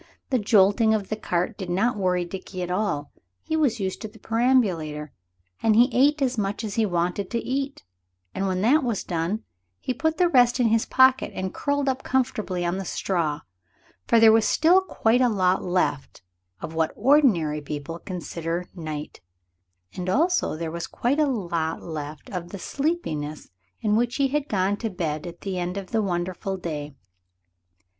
The jolting of the cart did not worry Dickie at all. He was used to the perambulator; and he ate as much as he wanted to eat, and when that was done he put the rest in his pocket and curled up comfortably in the straw, for there was still quite a lot left of what ordinary people consider night, and also there was quite a lot left of the sleepiness with which he had gone to bed at the end of the wonderful day.